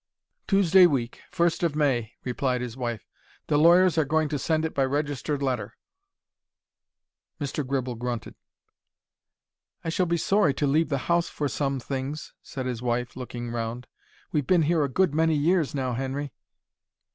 "Tuesday week; first of May," replied his wife. "The lawyers are going to send it by registered letter." Mr. Gribble grunted. "I shall be sorry to leave the house for some things," said his wife, looking round. "We've been here a good many years now, Henry."